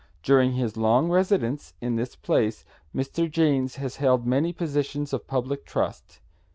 During his long residence in this place Mr. Janes has held many positions of public trust.